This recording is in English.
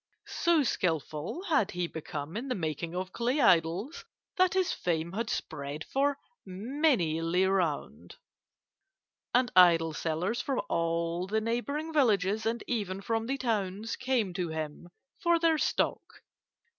So skilful had he become in the making of clay idols that his fame had spread for many li round, and idol sellers from all the neighbouring villages, and even from the towns, came to him for their stock.